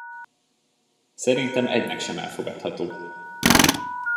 Szerintem egynek sem elfogadható.